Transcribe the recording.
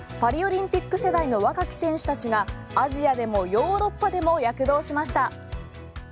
パリオリンピック世代の若き選手たちがアジアでもヨーロッパでも躍動しました。